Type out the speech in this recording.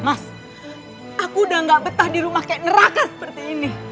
mas aku udah gak betah di rumah kayak neraka seperti ini